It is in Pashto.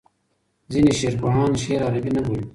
ځینې شعرپوهان شعر عربي نه بولي.